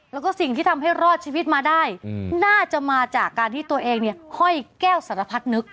แล้วก็สิ่งที่ทำให้รอดชีวิตมาได้น่าจะมาจากการที่ตัวเองเนี่ยห้อยแก้วสารพัดนึก